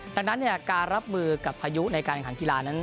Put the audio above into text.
ดังนั้นการรับมือกับพายุในการขันกีฬานั้น